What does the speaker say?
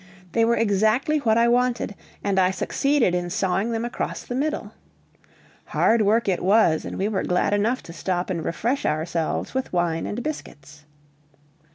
They were exactly what I wanted, and I succeeded in sawing them across the middle. Hard work it was, and we were glad enough to stop and refresh ourselves with wine and biscuits.